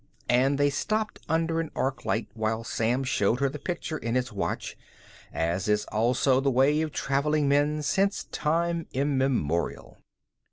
And they stopped under an arc light while Sam showed her the picture in his watch, as is also the way of traveling men since time immemorial.